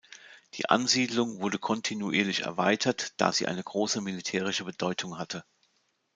Die Ansiedlung wurde kontinuierlich erweitert, da sie eine große militärische Bedeutung hatte.